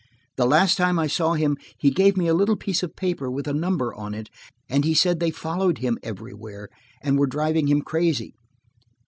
The last time I saw him he gave me a little piece of paper with a number on it and he said they followed him everywhere, and were driving him crazy.